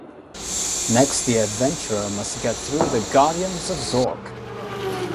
Next the adventurer must get through the Guardians of Zork.